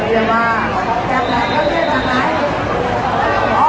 ขอบคุณมากนะคะแล้วก็แถวนี้ยังมีชาติของ